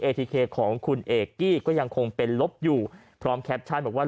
ทีเคของคุณเอกกี้ก็ยังคงเป็นลบอยู่พร้อมแคปชั่นบอกว่า